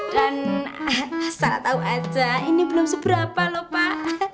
dan salah tau aja ini belum seberapa lho pak